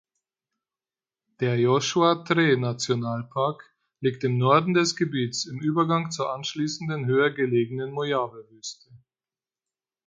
Der Joshua-Tree-Nationalpark liegt im Norden des Gebiets im Übergang zur anschließenden, höher gelegenen Mojave-Wüste.